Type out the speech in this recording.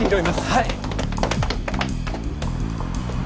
はい。